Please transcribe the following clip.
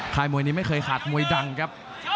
มวยนี้ไม่เคยขาดมวยดังครับ